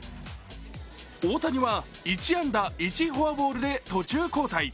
大谷は１安打１フォアボールで途中交代。